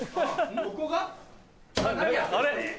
ここが？